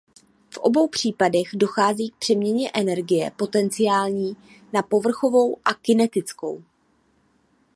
V obou případech dochází k přeměně energie potenciální na povrchovou a kinetickou.